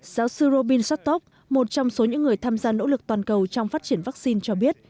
giáo sư robin sattok một trong số những người tham gia nỗ lực toàn cầu trong phát triển vaccine cho biết